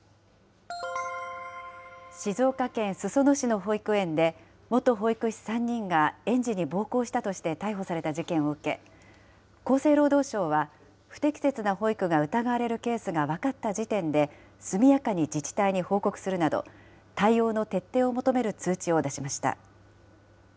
静岡県裾野市の保育園で、元保育士３人が園児に暴行したとして逮捕された事件を受け、厚生労働省は不適切な保育が疑われるケースが分かった時点で、速やかに自治体に報告するなど、対応の徹底を求める通知を出しました。